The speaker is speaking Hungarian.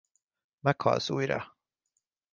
Meghalsz újra!